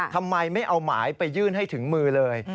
ทำไมไม่เอาหมายไปยื่นให้ถึงมือเลย